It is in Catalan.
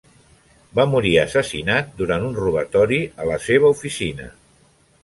Va morir assassinat durant un robatori a la seva oficina.